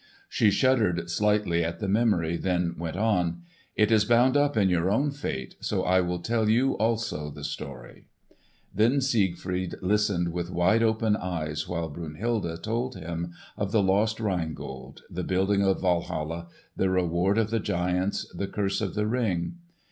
She shuddered slightly at the memory, then went on; "It is bound up in your own fate, so I will tell you also the story." Then Siegfried listened with wide open eyes while Brunhilde told him of the lost Rhine Gold; the building of Walhalla; the reward of the giants; and the curse of the Ring.